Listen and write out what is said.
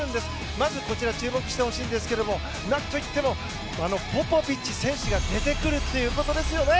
まず、こちら注目してほしいんですけど何といってもポポビッチ選手が出てくるということですよね。